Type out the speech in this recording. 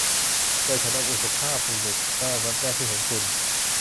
ใจฉันอบอุ่น สุภาพบุรุษ เมื่อแว่บแรกที่เห็นคุณ